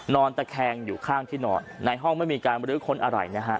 นอนตะแคงอยู่ข้างที่นอนในห้องไม่มีการบรื้อค้นอะไรนะฮะ